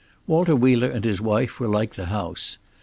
Walter Wheeler and his wife were like the house.